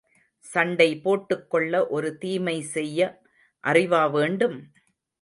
சண்டை போட்டுக் கொள்ள ஒரு தீமை செய்ய அறிவா வேண்டும்?